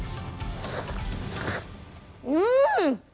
うん！